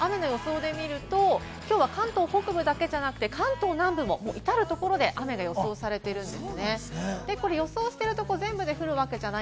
雨の予想で見ると、きょうは関東北部だけでなくて、関東南部でも至るところで、雨が予想されているんです。